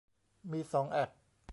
มีสองแอค